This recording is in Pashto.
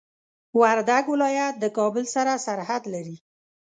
وردګ ولايت د کابل سره سرحد لري.